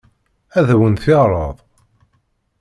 Ad awen-t-yeɛṛeḍ?